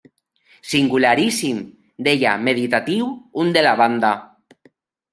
-Singularíssim!…- deia, meditatiu, un de la banda.